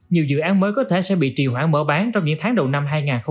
nhiều dự án mới có thể sẽ bị triều hãng mở bán trong những tháng đầu năm hai nghìn hai mươi ba